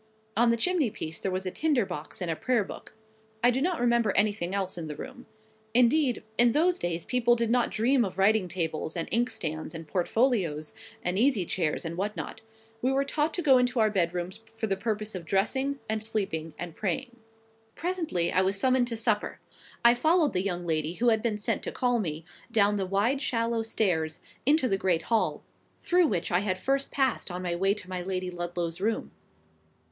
On the chimney piece there was a tinder box and a Prayer book. I do not remember anything else in the room. Indeed, in those days people did not dream of writing tables, and inkstands, and portfolios, and easy chairs, and what not. We were taught to go into our bed rooms for the purposes of dressing, and sleeping, and praying. Presently I was summoned to supper. I followed the young lady who had been sent to call me, down the wide shallow stairs, into the great hall, through which I had first passed on my way to my Lady Ludlow's room.